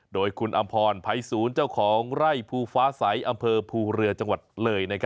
โดยคุณอำพรภัยศูนย์เจ้าของไร่ภูฟ้าใสอำเภอภูเรือจังหวัดเลย